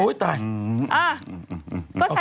ก็ฉันอยากโทร